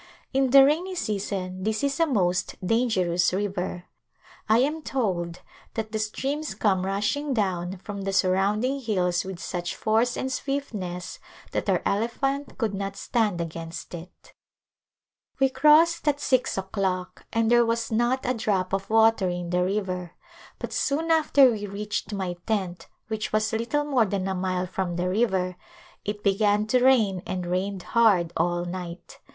In the rainy season this is a most danger ous river. I am told that the streams come rushing down from the surrounding hills with such force and swiftness that our elephant could not stand against it. We crossed at six o'clock and there was not a drop of water in the river, but soon after we reached my tent, which was little more than a mile from the river, it began to rain and rained hard all night.